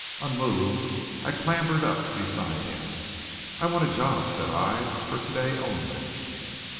Unmoved, I clambered up beside him. "I want a job," said I, "for to day only."